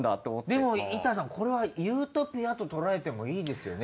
でも板さんこれはユートピアととらえてもいいですよね。